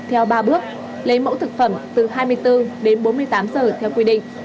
theo ba bước lấy mẫu thực phẩm từ hai mươi bốn đến bốn mươi tám giờ theo quy định